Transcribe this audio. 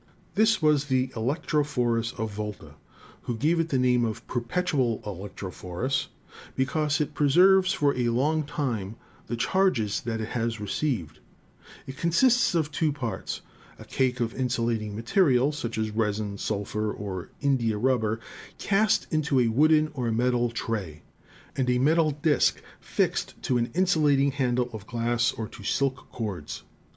This was the electrophorus of Volta, who gave it the name of "perpetual electro phorus" because it preserves for a long time the charges that it has received. ELECTROSTATICS 165 "It consists of two parts : a cake of insulating material, such as resin, sulphur or india rubber, cast into a wooden or metal tray, and a metal disk fixed to an insulating handle of glass or to silk cords.